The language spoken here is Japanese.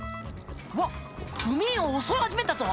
わっ組員を襲い始めたぞ。